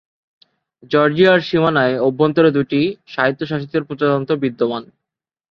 জর্জিয়ার সীমানার অভ্যন্তরে দুইটি স্বায়ত্তশাসিত প্রজাতন্ত্র বিদ্যমান।